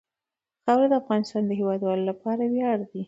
خاوره د افغانستان د هیوادوالو لپاره ویاړ دی.